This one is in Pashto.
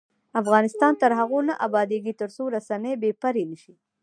افغانستان تر هغو نه ابادیږي، ترڅو رسنۍ بې پرې نشي.